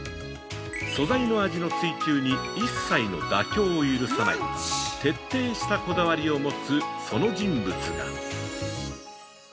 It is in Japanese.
素材の味の追求に一切の妥協を許さない徹底したこだわりを持つ、その人物が。